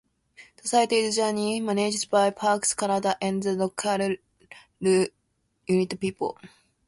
The site is jointly managed by Parks Canada and the local Inuit people.